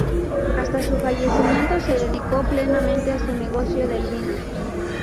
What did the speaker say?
Hasta su fallecimiento se dedicó plenamente a su negocio del vino.